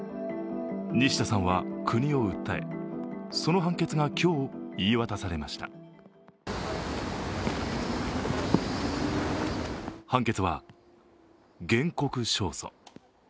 西田さんは国を訴えその判決が今日、言い渡されました判決は、原告勝訴。